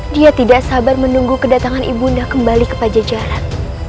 dia tidak sabar menunggu kedatangan ibunda kembali ke pajajaran